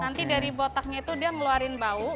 nanti dari botaknya itu dia ngeluarin bau